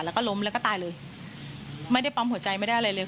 แล้วก็ล้มแล้วก็ตายเลยไม่ได้ปั๊มหัวใจไม่ได้อะไรเลย